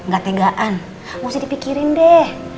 gak tegaan mesti dipikirin deh